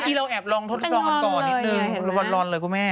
ที่เราแอบลองทดลองกันก่อนนิดนึงลอนเลยคุณแม่